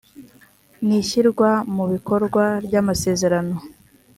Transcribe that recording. n ishyirwa mu bikorwa ry amasezerano